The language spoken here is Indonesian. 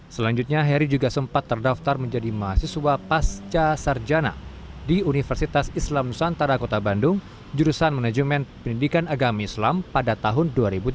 selanjutnya heri juga sempat terdaftar menjadi mahasiswa pasca sarjana di universitas islam nusantara kota bandung jurusan manajemen pendidikan agama islam pada tahun dua ribu tiga belas